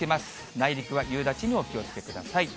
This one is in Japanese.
内陸は夕立にお気をつけください。